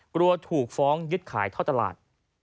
กลัวถูกฟ้องยึดขายท่อตลาด